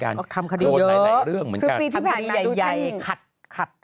ขัดขัดขัดขัดขัดขัดขัดขัดขัด